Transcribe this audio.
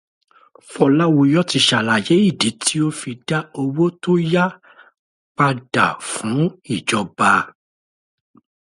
Fọláwiyọ́ ti sàlàyé ìdí tí ó fi dá owó tó yá padà fún ìjọba.